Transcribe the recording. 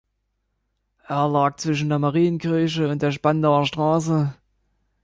Er lag zwischen der Marienkirche und der Spandauer Straße.